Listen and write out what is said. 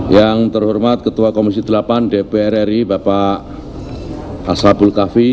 yang terhormat ketua komisi delapan dpr ri bapak hasrabul kafi